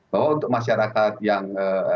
bahwa untuk masyarakat yang